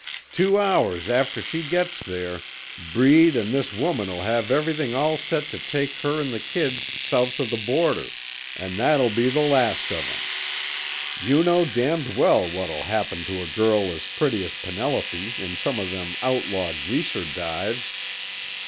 Two hours after she gets there, Breed an' his woman'll have everything all set to take her an' the kids south of the border, an' that'll be the last of 'em! You know damned well what'll happen to a girl as pretty as Penelope in some of them outlaw greaser dives!